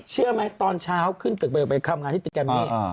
เชื่อไหมตอนเช้าขึ้นตึกไปทำงานที่ตึกแกรมมี่